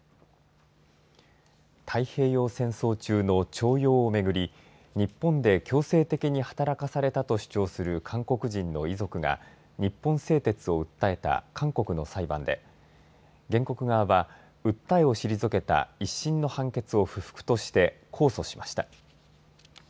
太平洋戦争中の徴用をめぐり日本で強制的に働かされたと主張する韓国人の遺族が日本製鉄を訴えた韓国の裁判で、原告側は訴えを退けた１審の判決を不服として控訴しました。